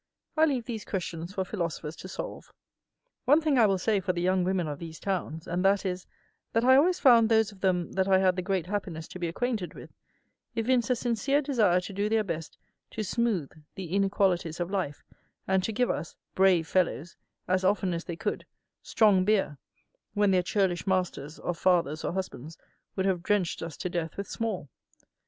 I leave these questions for philosophers to solve. One thing I will say for the young women of these towns, and that is, that I always found those of them that I had the great happiness to be acquainted with, evince a sincere desire to do their best to smooth the inequalities of life, and to give us, "brave fellows," as often as they could, strong beer, when their churlish masters of fathers or husbands would have drenched us to death with small.